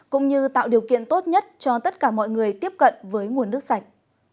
cũng như tạo điều kiện tốt nhất cho tất cả mọi người tiếp cận với nguồn nước sạch